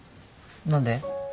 何で？